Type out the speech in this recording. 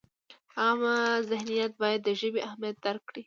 عامه ذهنیت باید د ژبې اهمیت درک کړي.